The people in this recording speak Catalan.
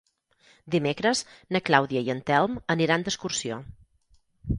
Dimecres na Clàudia i en Telm aniran d'excursió.